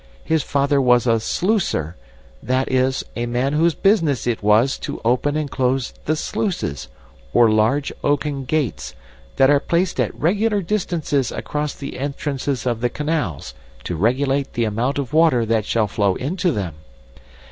His father was a sluicer, that is, a man whose business it was to open and close the sluices, or large oaken gates, that are placed at regular distances across the entrances of the canals, to regulate the amount of water that shall flow into them.